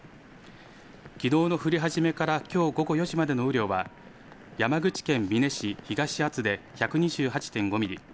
きのうの降り始めからきょう午後４時までの雨量は山口県美祢市東厚保で１２８．５ミリ